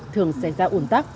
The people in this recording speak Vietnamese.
thường xảy ra ủn tắc